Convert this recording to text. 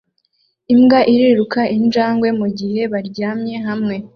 Imbwa iruma injangwe mugihe baryamye hamwe